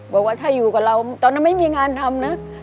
บอกว่าถ้าอยู่กับเราตอนนั้นไม่มีงานทำนะ